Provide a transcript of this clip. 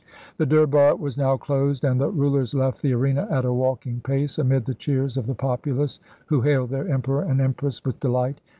The Durbar was now closed, and the rulers left the arena at a walking pace, amid the cheers of the populace who hailed their Emperor and Empress with delight.